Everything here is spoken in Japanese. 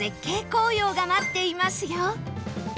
紅葉が待っていますよ